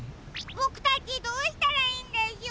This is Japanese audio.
ボクたちどうしたらいいんでしょう？